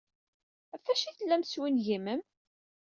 Ɣef wacu ay tellam teswingimem?